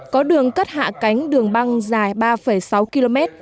có đường cất hạ cánh đường băng dài ba sáu km